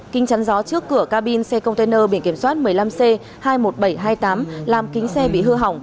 kính chắn gió trước cửa cabin xe container biển kiểm soát một mươi năm c hai mươi một nghìn bảy trăm hai mươi tám làm kính xe bị hư hỏng